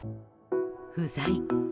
不在。